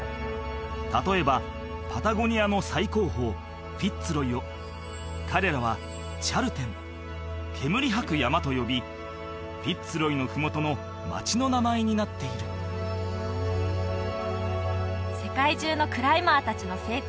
例えばパタゴニアの最高峰フィッツ・ロイを彼らはチャルテン煙吐く山と呼びフィッツ・ロイの麓の町の名前になっている世界中のクライマー達の聖地